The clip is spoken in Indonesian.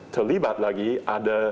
terlibat lagi ada